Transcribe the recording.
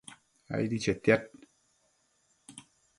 aidi chetiad